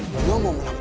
gue mau memulai